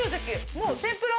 もう天ぷら。